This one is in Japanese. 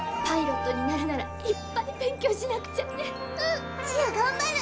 パイロットになるならいっぱい勉強しなくちゃね。